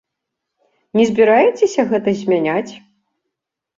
Не збіраецеся гэта змяняць?